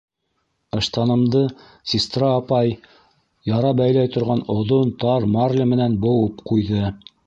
Ыштанымды сестра апай яра бәйләй торған оҙон тар марля менән быуып ҡуйҙы.